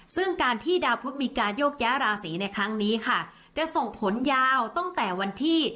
ซึ่งการที่ดาวพุทธมีการโยกย้ายราศีในครั้งนี้ค่ะจะส่งผลยาวตั้งแต่วันที่